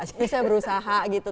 jadi saya berusaha gitu